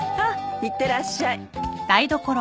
ああいってらっしゃい。